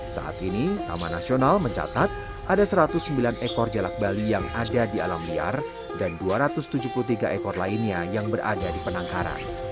saat ini taman nasional mencatat ada satu ratus sembilan ekor jalak bali yang ada di alam liar dan dua ratus tujuh puluh tiga ekor lainnya yang berada di penangkaran